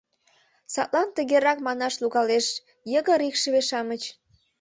Садлан тыгерак манаш логалеш: йыгыр икшыве-шамыч.